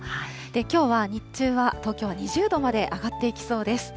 きょうは日中は東京は２０度まで上がっていきそうです。